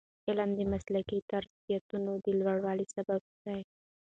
علم د مسلکي ظرفیتونو د لوړوالي سبب دی.